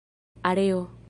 areo